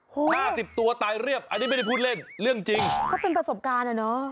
ห้าสิบตัวตายเรียบอันนี้ไม่ได้พูดเล่นเรื่องจริงก็เป็นประสบการณ์อ่ะเนอะ